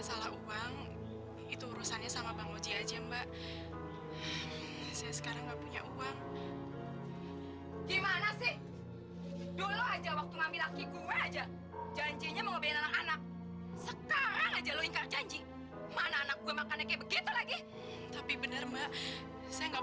kalau gitu nanti malam firman akan mencari alamat supir taksi siang